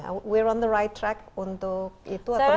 jadi kita di jalan yang benar untuk itu atau masih jauh